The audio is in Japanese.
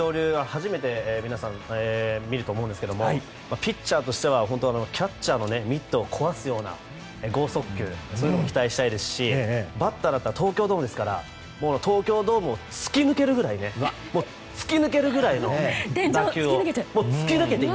初めて皆さん見ると思いますがピッチャーとしてはキャッチャーのミットを壊すような豪速球を期待したいですしバッターだったら東京ドームですから東京ドームを突き抜けるぐらいの打球を。